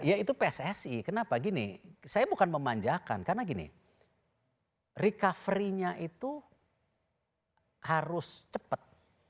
ya itu pssi kenapa gini saya bukan memanjakan karena gini recovery nya itu harus cepat